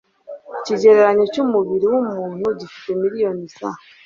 Ikigereranyo cy'umubiri w'umuntu gifite miliyoni za